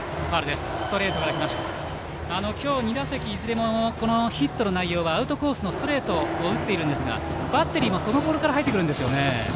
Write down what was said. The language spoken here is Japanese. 今日の２打席いずれもヒットの内容はアウトコースのストレートを打っているんですがバッテリーもそのボールから入ってくるんですよね。